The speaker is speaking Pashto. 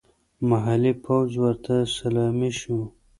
محلي پوځ ورته سلامي شو.